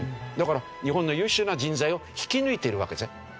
だから日本の優秀な人材を引き抜いてるわけですね。